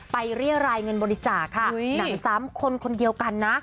ไปเรียร่ายเงินบริจาค่ะอุ้ยหนังสามคนคนเดียวกันนะ